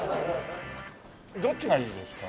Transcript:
どっちがいいですか？